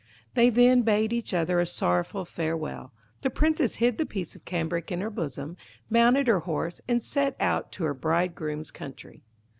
They then bade each other a sorrowful farewell. The Princess hid the piece of cambric in her bosom, mounted her horse, and set out to her bridegroom's country.